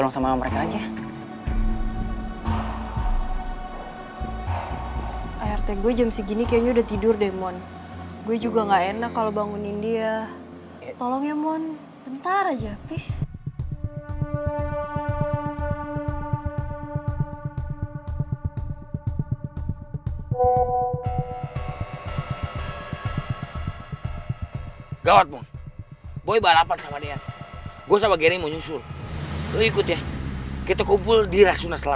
sampai jumpa di video selanjutnya